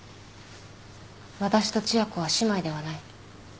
私と千夜子は姉妹ではない。